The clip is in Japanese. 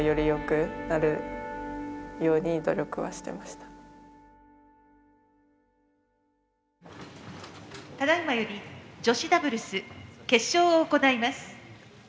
「ただいまより女子ダブルス決勝を行います」。